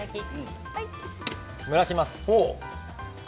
蒸らします。